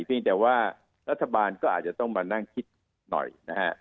เพียงแต่ว่ารัฐบาลก็อาจจะต้องมานั่งคิดหน่อยนะฮะ